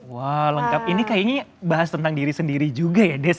wah lengkap ini kayaknya bahas tentang diri sendiri juga ya des